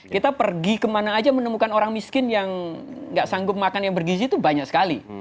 kita pergi kemana aja menemukan orang miskin yang gak sanggup makan yang bergizi itu banyak sekali